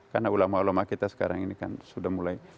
karena ulama ulama kita sekarang ini kan sudah mulai